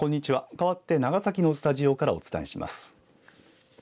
かわって長崎のスタジオからお伝えします。